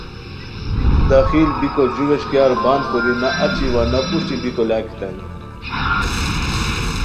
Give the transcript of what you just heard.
داخل بیکو جو ویݰکیار بند کوری نہ اچی وا نہ پروشٹی بیکو لاکیتانی۔